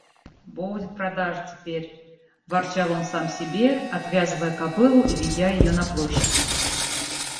– Будет продажа теперь! – ворчал он сам себе, отвязывая кобылу и ведя ее на площадь.